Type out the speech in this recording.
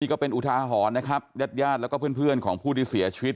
ก็เป็นอุทาหรณ์นะครับญาติญาติแล้วก็เพื่อนของผู้ที่เสียชีวิต